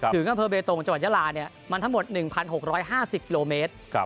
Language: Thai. ถึงข้างเพิ่มเบตรงจังหวัดยาลาเนี่ยมันทั้งหมด๑๖๕๐กิโลเมตร